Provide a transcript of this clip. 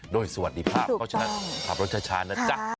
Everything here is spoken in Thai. โดยสวัสดีภาพเพราะฉะนั้นขับรถช้านะจ๊ะ